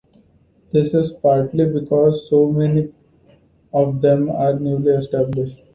This is partly because so many of them are newly established.